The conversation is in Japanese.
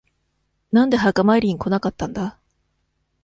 なんで墓参りに来なかったんだ。